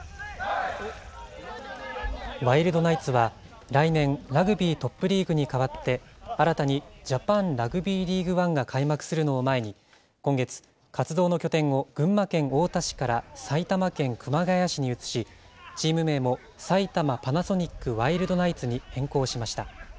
ワイルドナイツは、来年、ラグビートップリーグに代わって新たにジャパンラグビーリーグワンが開幕するのを前に、今月、活動の拠点を群馬県太田市から埼玉県熊谷市に移し、チーム名も埼玉パナソニックワイルドナイツに変更しました。